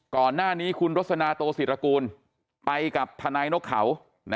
ก่อนหน้านี้คุณรสนาโตศิรกูลไปกับทนายนกเขา